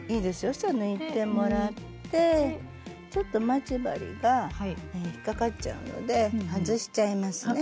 そしたら抜いてもらってちょっと待ち針が引っ掛かっちゃうので外しちゃいますね。